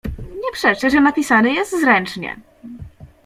"Nie przeczę, że napisany jest zręcznie."